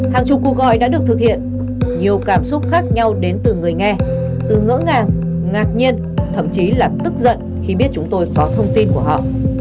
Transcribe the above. hàng chục cuộc gọi đã được thực hiện nhiều cảm xúc khác nhau đến từ người nghe từ ngỡ ngàng ngạc nhiên thậm chí là tức giận khi biết chúng tôi có thông tin của họ